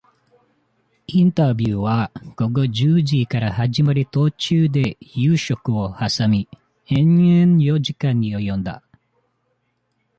インタビューは、午後十時から始まり、途中で夕食をはさみ、延々、四時間に及んだ。